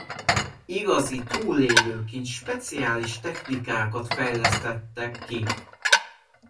Igazi túlélőként speciális technikákat fejlesztetekt ki.